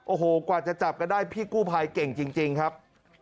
โอ้โหกว่าจะจับกันได้พี่กู้ภัยเก่งจริงครับ